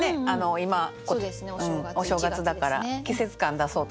今お正月だから季節感出そうと思って。